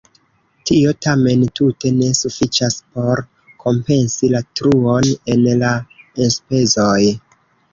Tio tamen tute ne sufiĉas por kompensi la truon en la enspezoj.